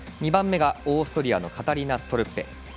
２番目がオーストリアのカタリナ・トルッペ。